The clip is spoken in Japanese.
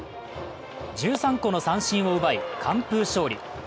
１３個の三振を奪い、完封勝利。